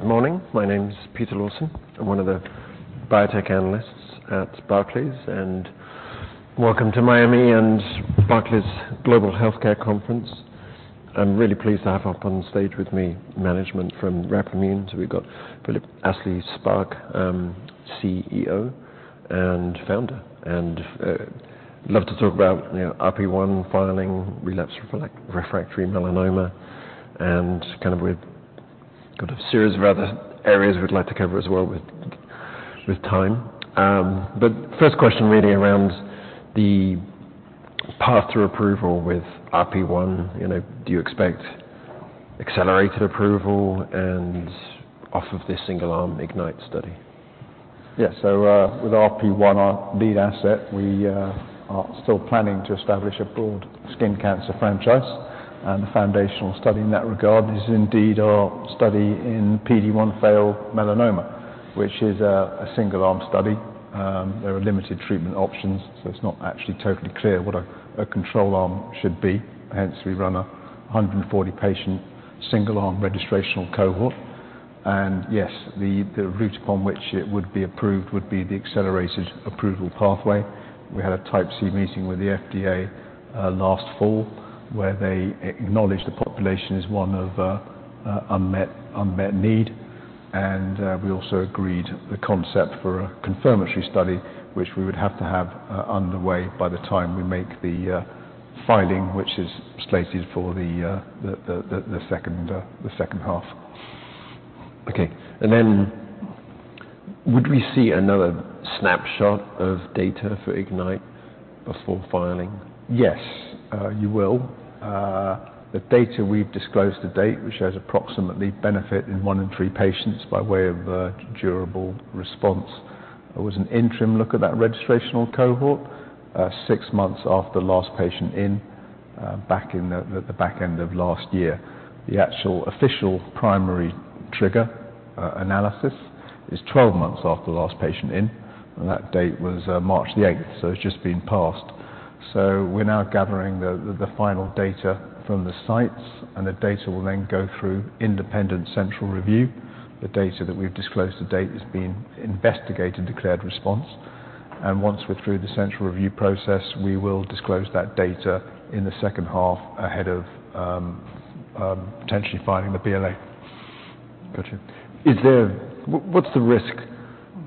Good morning. My name is Peter Lawson. I'm one of the biotech analysts at Barclays, and welcome to Miami and Barclays Global Healthcare Conference. I'm really pleased to have up on stage with me, management from Replimune. So we've got Philip Astley-Sparke, CEO and Founder, and love to talk about, you know, RP1 filing, relapsed, refractory melanoma, and kind of, we've got a series of other areas we'd like to cover as well with time. But first question really around the path to approval with RP1. You know, do you expect accelerated approval and off of this single-arm IGNYTE study? Yes. So, with RP1, our lead asset, we are still planning to establish a broad skin cancer franchise, and the foundational study in that regard is indeed our study in PD-1 failed melanoma, which is a single-arm study. There are limited treatment options, so it's not actually totally clear what a control arm should be. Hence, we run a 140-patient, single-arm registrational cohort. Yes, the route upon which it would be approved would be the accelerated approval pathway. We had a Type C meeting with the FDA last fall, where they acknowledged the population is one of unmet need. We also agreed the concept for a confirmatory study, which we would have to have underway by the time we make the filing, which is slated for the second half. Okay. And then would we see another snapshot of data for IGNYTE before filing? Yes, you will. The data we've disclosed to date, which shows approximately benefit in one in three patients by way of durable response. It was an interim look at that registrational cohort, six months after last patient in, back in the back end of last year. The actual official primary trigger analysis is 12 months after the last patient in, and that date was March the eighth, so it's just been passed. So we're now gathering the final data from the sites, and the data will then go through independent central review. The data that we've disclosed to date has been Investigator-declared response, and once we're through the central review process, we will disclose that data in the second half ahead of potentially filing the BLA. Gotcha. Is there... What's the risk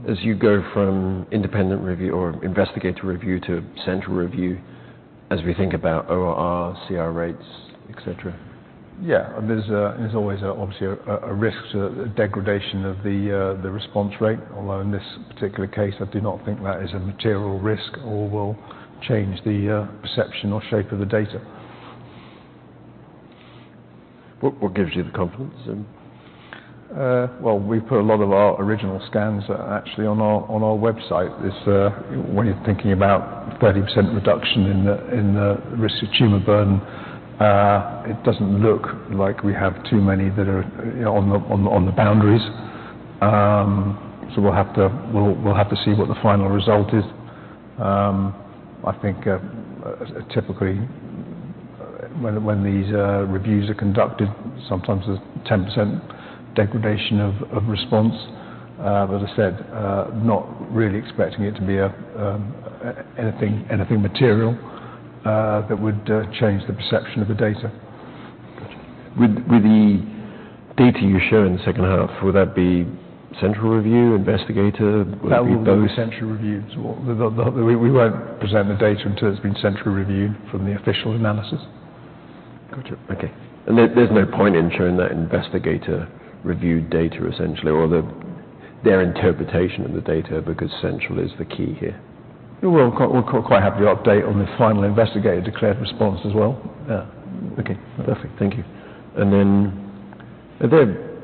as you go from independent review or investigator review to central review, as we think about ORR, CR rates, et cetera? Yeah. There's always, obviously, a risk to degradation of the response rate, although in this particular case, I do not think that is a material risk or will change the perception or shape of the data. What gives you the confidence then? Well, we put a lot of our original scans actually on our website. This, when you're thinking about 30% reduction in the risk of tumor burden, it doesn't look like we have too many that are on the boundaries. So we'll have to see what the final result is. I think, typically, when these reviews are conducted, sometimes there's 10% degradation of response. But as I said, not really expecting it to be anything material that would change the perception of the data. Gotcha. With the data you show in the second half, will that be central review, investigator? Will it be both- That will be central review as well. We won't present the data until it's been centrally reviewed from the official analysis. Gotcha. Okay. And there, there's no point in showing that investigator review data, essentially, or their interpretation of the data, because central is the key here. We're quite happy to update on the final Investigator-Declared Response as well. Yeah. Okay, perfect. Thank you. And then, are there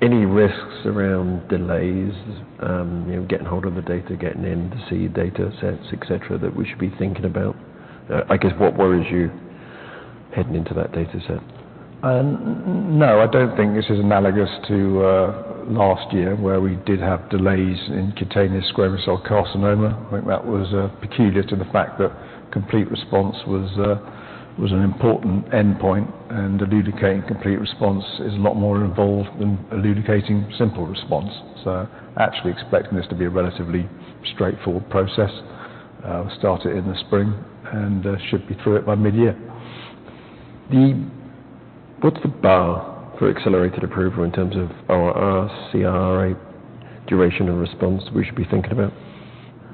any risks around delays, you know, getting hold of the data, getting in to see data sets, et cetera, that we should be thinking about? I guess, what worries you heading into that data set? No, I don't think this is analogous to last year, where we did have delays in cutaneous squamous cell carcinoma. I think that was peculiar to the fact that complete response was an important endpoint, and elucidating complete response is a lot more involved than elucidating simple response. So actually expecting this to be a relatively straightforward process. We'll start it in the spring and should be through it by midyear. What's the bar for accelerated approval in terms of ORR, CR, duration, and response we should be thinking about?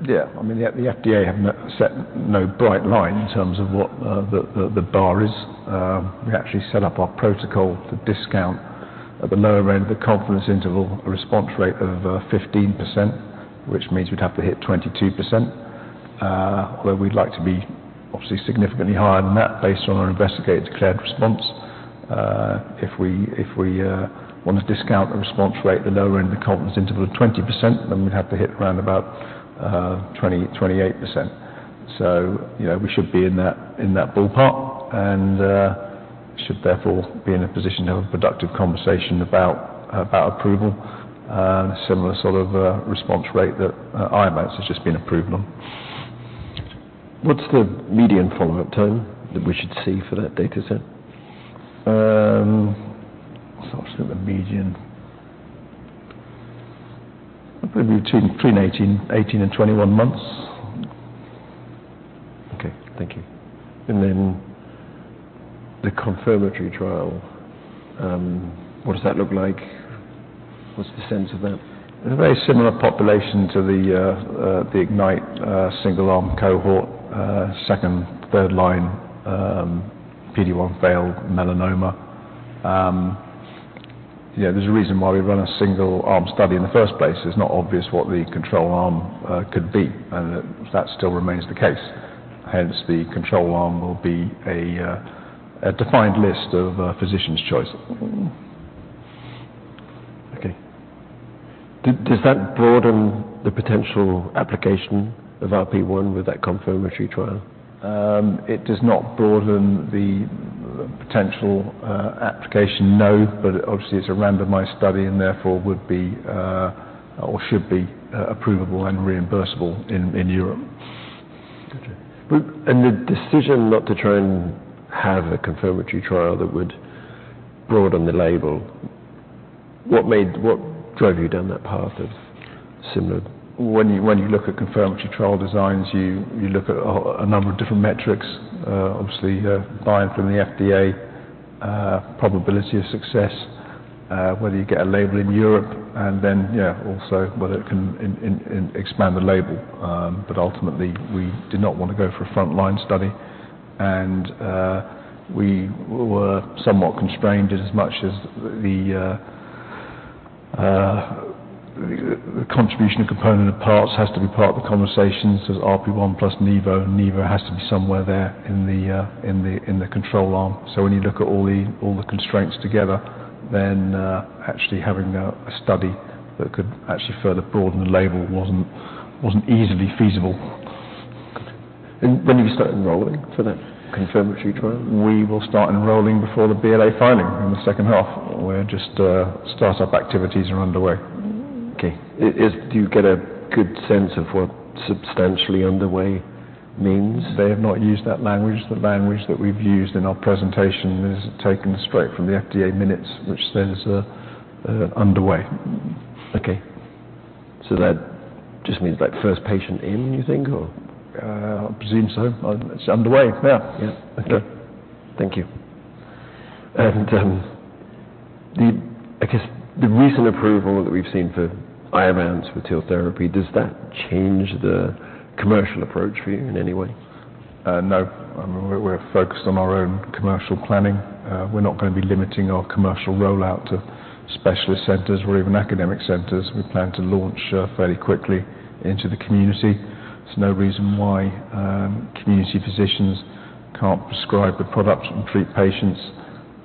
Yeah. I mean, the FDA have never set no bright line in terms of what the bar is. We actually set up our protocol to discount at the lower end of the confidence interval a response rate of 15%, which means we'd have to hit 22%. Although we'd like to be obviously significantly higher than that, based on our investigator-declared response. If we want to discount the response rate, the lower end, the confidence interval of 20%, then we'd have to hit around about 28%. So, you know, we should be in that ballpark and should therefore be in a position to have a productive conversation about approval. Similar sort of response rate that Amtagvi has just been approved on. ...What's the median follow-up time that we should see for that data set? So I'll say the median, maybe between 18 and 21 months. Okay, thank you. And then the confirmatory trial, what does that look like? What's the sense of that? A very similar population to the IGNYTE single-arm cohort, second, third line PD-1 failed melanoma. Yeah, there's a reason why we run a single-arm study in the first place. It's not obvious what the control arm could be, and that still remains the case. Hence, the control arm will be a defined list of physician's choice. Okay. Does that broaden the potential application of RP1 with that confirmatory trial? It does not broaden the potential application, no. But obviously, it's a randomized study, and therefore, would be or should be approvable and reimbursable in Europe. Got you. But the decision not to try and have a confirmatory trial that would broaden the label, what drove you down that path of similar? When you look at confirmatory trial designs, you look at a number of different metrics, obviously, guidance from the FDA, probability of success, whether you get a label in Europe, and then, yeah, also whether it can expand the label. But ultimately, we did not want to go for a front-line study, and we were somewhat constrained as much as the contribution or component of parts has to be part of the conversations as RP1 plus nivo, and nivo has to be somewhere there in the control arm. So when you look at all the constraints together, then, actually having a study that could actually further broaden the label wasn't easily feasible. Got you. And when do you start enrolling for that confirmatory trial? We will start enrolling before the BLA filing in the second half, where just start-up activities are underway. Okay. Do you get a good sense of what substantially underway means? They have not used that language. The language that we've used in our presentation is taken straight from the FDA minutes, which says, underway. Okay. So that just means, like, first patient in, you think, or? I presume so. It's underway, yeah. Yeah. Okay. Thank you. And, I guess, the recent approval that we've seen for Iovance with TIL therapy, does that change the commercial approach for you in any way? No. We're focused on our own commercial planning. We're not going to be limiting our commercial rollout to specialist centers or even academic centers. We plan to launch fairly quickly into the community. There's no reason why community physicians can't prescribe the product and treat patients.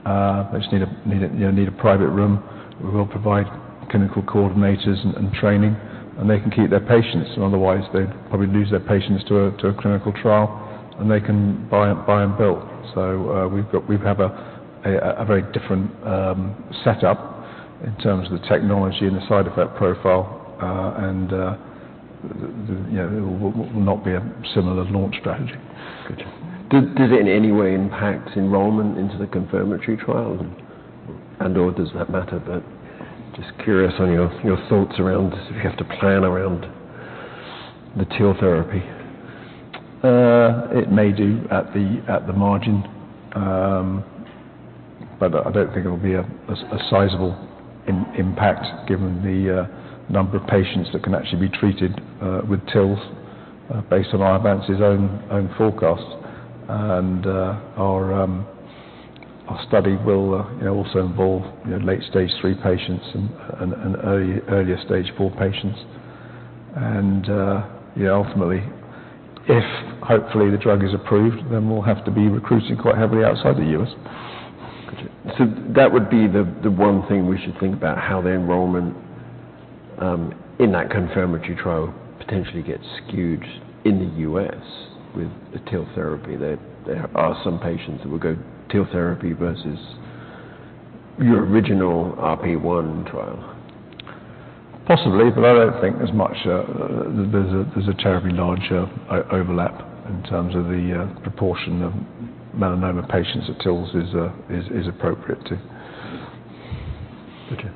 They just need a, you know, private room. We will provide clinical coordinators and training, and they can keep their patients, and otherwise they'd probably lose their patients to a clinical trial, and they can buy and bill. So, we have a very different setup in terms of the technology and the side effect profile, and you know, it will not be a similar launch strategy. Got you. Did it in any way impact enrollment into the confirmatory trials and/or does that matter? But just curious on your thoughts around if you have to plan around the TIL therapy. It may do at the margin. But I don't think it will be a sizable impact given the number of patients that can actually be treated with TILs based on Iovance's own forecast. And our study will, you know, also involve, you know, late stage three patients and earlier stage four patients. And yeah, ultimately, if hopefully the drug is approved, then we'll have to be recruiting quite heavily outside the US. Got you. So that would be the one thing we should think about, how the enrollment in that confirmatory trial potentially gets skewed in the U.S. with the TIL therapy. There are some patients who will go TIL therapy versus your original RP1 trial. Possibly, but I don't think there's much. There's a terribly large overlap in terms of the proportion of melanoma patients that TILs is appropriate to. Okay.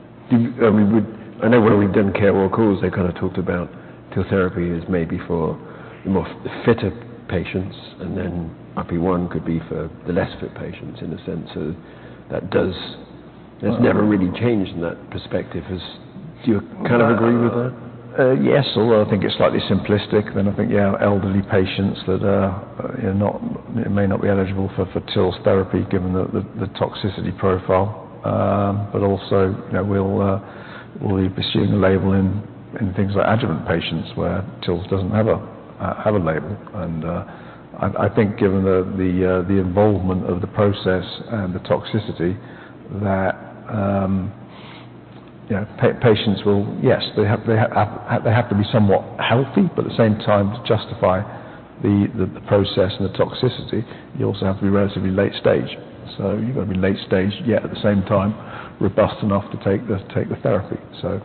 I mean, I know when we've done CAR-T work, 'cause they kind of talked about TIL therapy is maybe for the more fitter patients, and then RP1 could be for the less fit patients in a sense of that does- Uh- There's never really changed in that perspective. Is... Do you kind of agree with that? Yes, although I think it's slightly simplistic, then I think, yeah, elderly patients that are, you know, may not be eligible for TIL therapy given the toxicity profile. But also, you know, we'll be pursuing a label in things like adjuvant patients where TILs doesn't have a label. And I think given the involvement of the process and the toxicity, that you know, patients will... Yes, they have to be somewhat healthy, but at the same time, to justify the process and the toxicity, you also have to be relatively late stage. So you've got to be late stage, yet at the same time, robust enough to take the therapy. So-...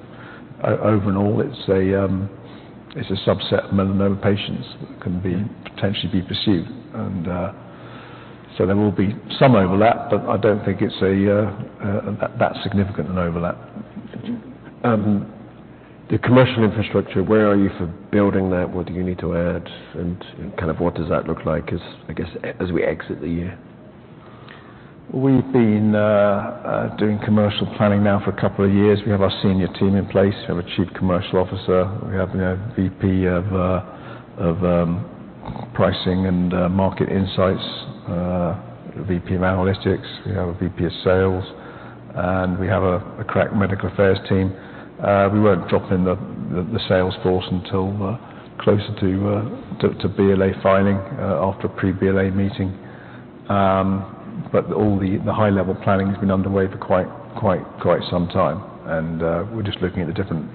Overall, it's a subset of melanoma patients that can potentially be pursued. So there will be some overlap, but I don't think it's that significant an overlap. Mm-hmm. The commercial infrastructure, where are you for building that? What do you need to add, and kind of what does that look like as, I guess, as we exit the year? We've been doing commercial planning now for a couple of years. We have our senior team in place. We have a Chief Commercial Officer. We have, you know, VP of Pricing and Market Insights, a VP of Analytics. We have a VP of Sales, and we have a crack medical affairs team. We won't drop in the sales force until closer to BLA filing, after a pre-BLA meeting. But all the high-level planning has been underway for quite some time, and we're just looking at the different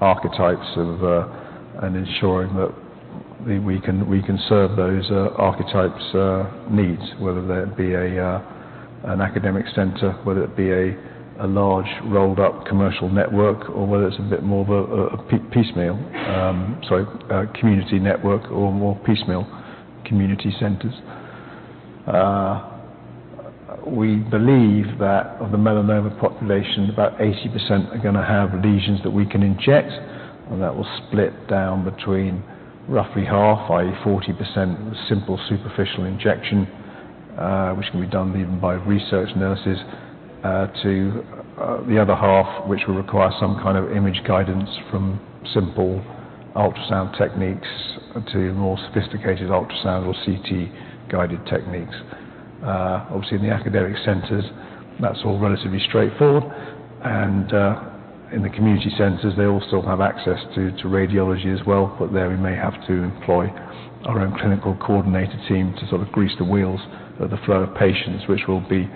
archetypes of and ensuring that we can serve those archetypes' needs, whether that be an academic center, whether it be a large rolled-up commercial network, or whether it's a bit more of a piecemeal community network or more piecemeal community centers. We believe that of the melanoma population, about 80% are gonna have lesions that we can inject, and that will split down between roughly half, i.e., 40%, simple, superficial injection, which can be done even by research nurses to the other half, which will require some kind of image guidance from simple ultrasound techniques to more sophisticated ultrasound or CT-guided techniques. Obviously, in the academic centers, that's all relatively straightforward, and in the community centers, they all still have access to radiology as well, but there we may have to employ our own clinical coordinator team to sort of grease the wheels of the flow of patients, which will be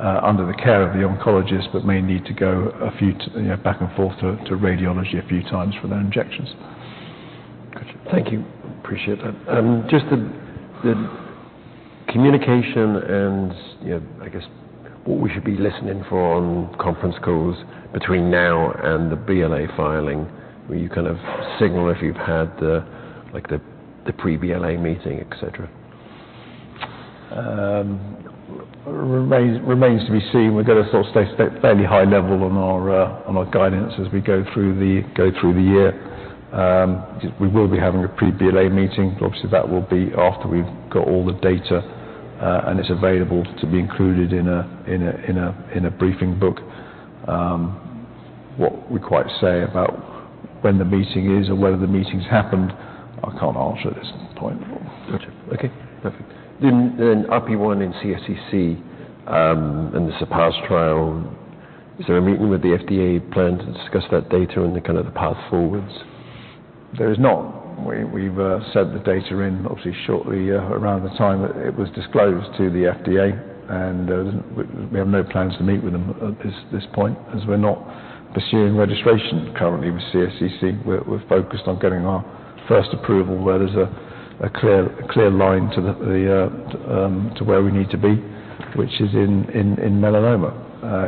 under the care of the oncologist, but may need to go a few, you know, back and forth to radiology a few times for their injections. Gotcha. Thank you. Appreciate that. Just the communication and, you know, I guess, what we should be listening for on conference calls between now and the BLA filing. Will you kind of signal if you've had the pre-BLA meeting, et cetera? It remains to be seen. We're gonna sort of stay fairly high level on our guidance as we go through the year. We will be having a pre-BLA meeting. Obviously, that will be after we've got all the data, and it's available to be included in a briefing book. What we can say about when the meeting is or whether the meeting's happened, I can't answer this at this point. Gotcha. Okay, perfect. Then, then RP1 and CSCC, and the CERPASS trial, is there a meeting with the FDA planned to discuss that data and the kind of the path forwards? There is not. We've sent the data in, obviously, shortly around the time that it was disclosed to the FDA, and we have no plans to meet with them at this point, as we're not pursuing registration currently with CSCC. We're focused on getting our first approval where there's a clear line to where we need to be, which is in melanoma.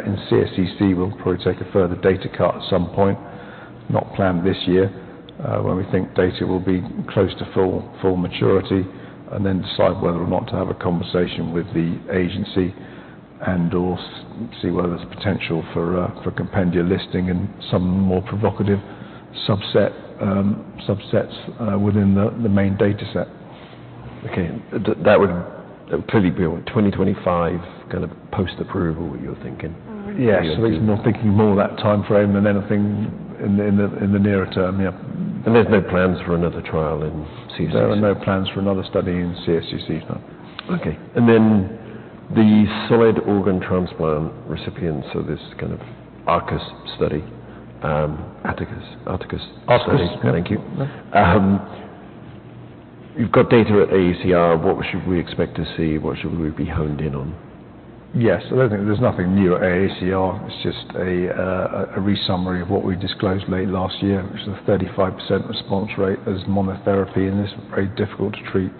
In CSCC, we'll probably take a further data cut at some point, not planned this year, when we think data will be close to full maturity, and then decide whether or not to have a conversation with the agency and/or see whether there's potential for a compendia listing in some more provocative subsets within the main dataset. Okay. That, that would clearly be on 2025, kind of, post-approval, you're thinking? Yes. Okay. At least I'm thinking more that timeframe than anything in the nearer term. Yeah. There's no plans for another trial in CSCC? There are no plans for another study in CSCC, no. Okay. And then the solid organ transplant recipients, so this kind of ARTACUS study, ARTACUS, ARTACUS study. ARCTICUS. Thank you. Yeah. You've got data at AACR. What should we expect to see? What should we be honed in on? Yes. I don't think there's nothing new at AACR. It's just a re-summary of what we disclosed late last year, which is a 35% response rate as monotherapy, and this is very difficult to treat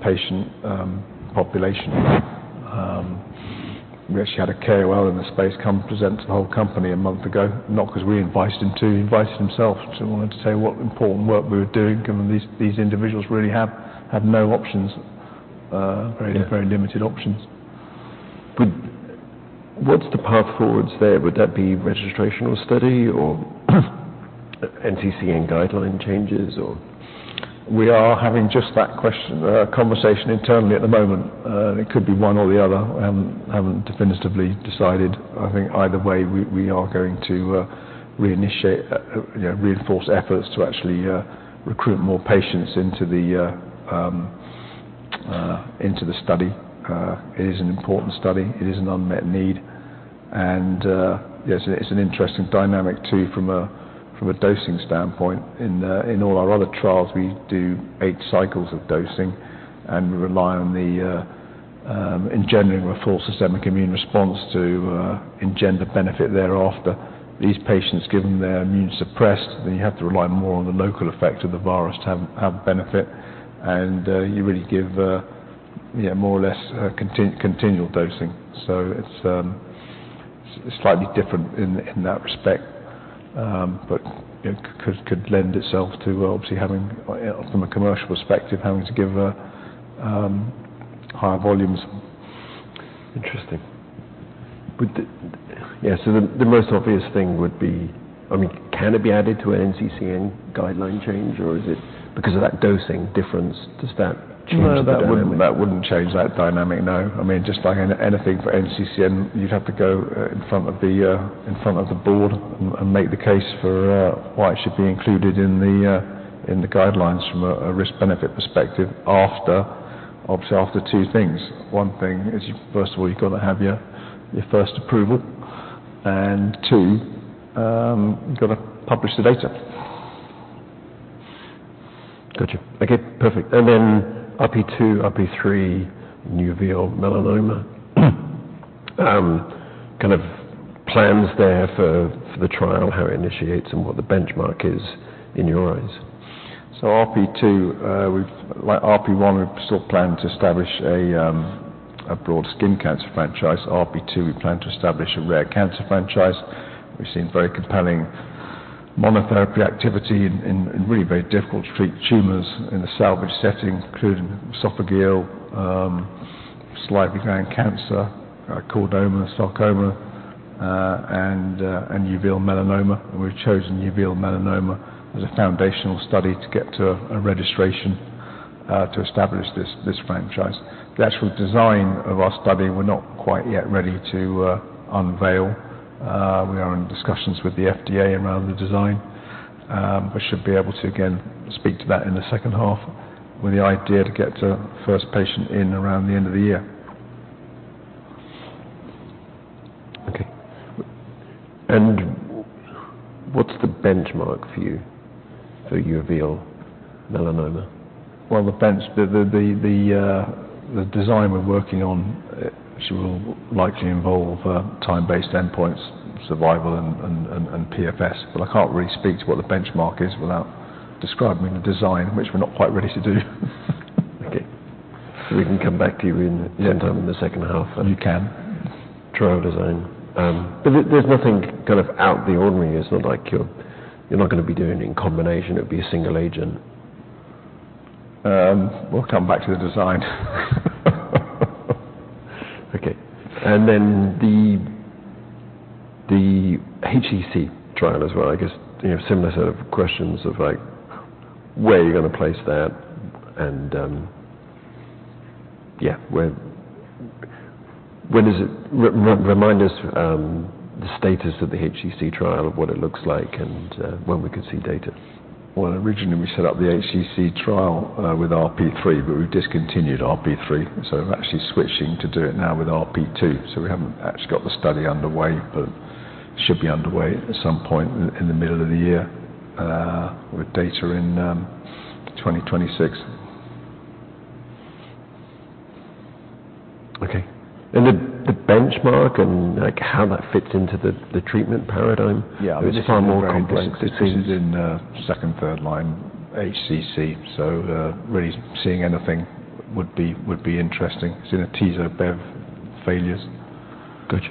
patient population. We actually had a KOL in the space come present to the whole company a month ago, not 'cause we invited him to. He invited himself to, wanted to say what important work we were doing, given these individuals really have no options. Yeah... very, very limited options. What's the path forward there? Would that be registrational study or NCCN guideline changes or? We are having just that question, conversation internally at the moment. It could be one or the other. Haven't definitively decided. I think either way, we are going to reinitiate, you know, reinforce efforts to actually recruit more patients into the study. It is an important study. It is an unmet need, and yes, it's an interesting dynamic too, from a dosing standpoint. In all our other trials, we do eight cycles of dosing, and we rely on the. In general, we force systemic immune response to engender benefit thereafter. These patients, given they're immune suppressed, then you have to rely more on the local effect of the virus to have benefit, and you really give yeah, more or less, continual dosing. So it's slightly different in that respect, but it could lend itself to obviously having higher volumes. Interesting. But yeah, so the most obvious thing would be, I mean, can it be added to an NCCN guideline change, or is it because of that dosing difference, does that change the dynamic? No, that wouldn't change that dynamic, no. I mean, just like anything for NCCN, you'd have to go in front of the board and make the case for why it should be included in the guidelines from a risk-benefit perspective after, obviously, after two things. One thing is, first of all, you've got to have your first approval, and two, you've got to publish the data. Gotcha. Okay, perfect. And then RP2, RP3, Uveal Melanoma. Kind of plans there for the trial, how it initiates, and what the benchmark is in your eyes? So RP2, like RP1, we still plan to establish a broad skin cancer franchise. RP2, we plan to establish a rare cancer franchise. We've seen very compelling monotherapy activity in really very difficult to treat tumors in a salvage setting, including esophageal, salivary gland cancer, chordoma, sarcoma, and uveal melanoma. And we've chosen uveal melanoma as a foundational study to get to a registration to establish this franchise. The actual design of our study, we're not quite yet ready to unveil. We are in discussions with the FDA around the design, but should be able to again speak to that in the second half with the idea to get a first patient in around the end of the year. Okay. What's the benchmark for you for uveal melanoma? Well, the design we're working on, it should will likely involve time-based endpoints, survival, and PFS. But I can't really speak to what the benchmark is without describing the design, which we're not quite ready to do. Okay. So we can come back to you in- Yeah. Sometime in the second half. You can. Trial design. But there, there's nothing kind of out of the ordinary. It's not like you're not gonna be doing it in combination. It'll be a single agent. We'll come back to the design. Okay. And then the HCC trial as well, I guess, you know, similar set of questions of, like, where are you gonna place that? And, yeah, where does it remind us the status of the HCC trial of what it looks like and when we could see data. Well, originally, we set up the HCC trial with RP3, but we've discontinued RP3, so we're actually switching to do it now with RP2. So we haven't actually got the study underway, but should be underway at some point in the middle of the year with data in 2026. Okay. The benchmark and, like, how that fits into the treatment paradigm? Yeah. It's far more complex. This is in second- and third-line HCC, so really seeing anything would be interesting, seeing the Atezo/Bev failures. Gotcha.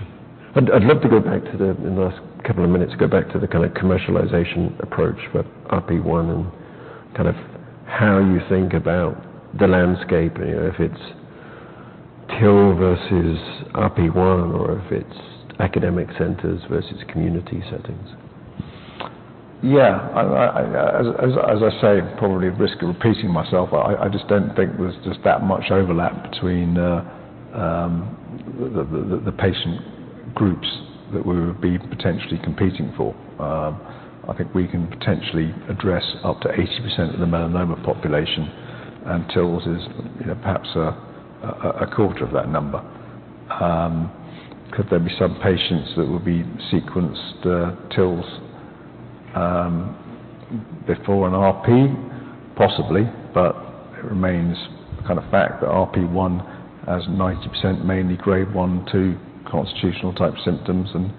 I'd, I'd love to go back to the... in the last couple of minutes, go back to the kind of commercialization approach with RP1 and kind of how you think about the landscape, you know, if it's TIL versus RP1 or if it's academic centers versus community settings. Yeah. As I say, probably at risk of repeating myself, I just don't think there's just that much overlap between the patient groups that we would be potentially competing for. I think we can potentially address up to 80% of the melanoma population, and TILs is, you know, perhaps a quarter of that number. Could there be some patients that would be sequenced TILs before an RP? Possibly, but it remains a kind of fact that RP1 has 90% mainly grade one to constitutional-type symptoms, and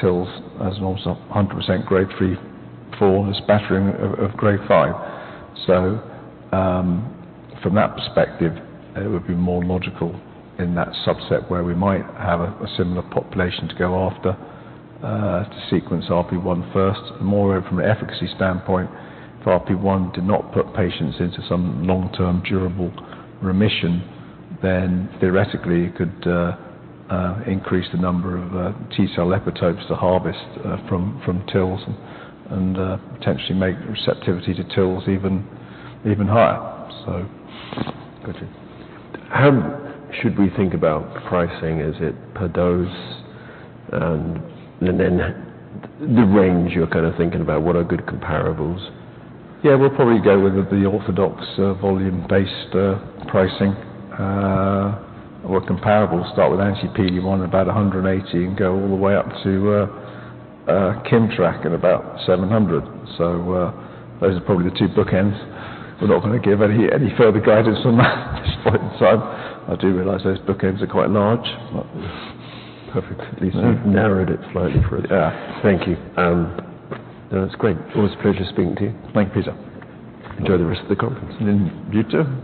TILs has almost 100% grade three, four, and a spattering of grade five. So, from that perspective, it would be more logical in that subset where we might have a similar population to go after to sequence RP1 first. Moreover, from an efficacy standpoint, if RP1 did not put patients into some long-term durable remission, then theoretically, it could increase the number of T cell epitopes to harvest from TILs and potentially make receptivity to TILs even higher. So- Gotcha. How should we think about pricing? Is it per dose? And then the range you're kind of thinking about, what are good comparables? Yeah, we'll probably go with the orthodox, volume-based, pricing. Or comparables start with anti-PD-1, about $180, and go all the way up to, Kimmtrak at about $700. So, those are probably the two bookends. We're not gonna give any, any further guidance on that at this point in time. I do realize those bookends are quite large, but- Perfectly. So you've narrowed it slightly for us. Yeah. Thank you. No, it's great. Always a pleasure speaking to you. Thank you, sir. Enjoy the rest of the conference. You too.